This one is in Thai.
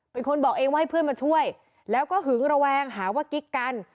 เป็นคนบอกเองว่าให้เพื่อนมาช่วยแล้วก็หึงระแวงหาว่ากิ๊กกัน